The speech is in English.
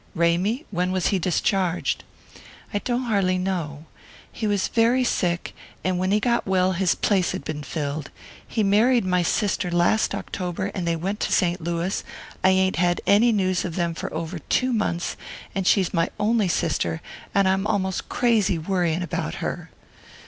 "Ramy? When was he discharged?" "I don't har'ly know. He was very sick, and when he got well his place had been filled. He married my sister last October and they went to St. Louis, I ain't had any news of them for over two months, and she's my only sister, and I'm most crazy worrying about her."